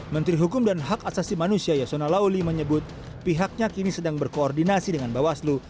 menteri hukum dan hak asasi manusia yasona lauli menyebut pihaknya kini sedang berkoordinasi dengan bawaslu